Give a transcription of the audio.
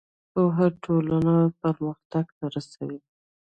پوهه ټولنه پرمختګ ته رسوي.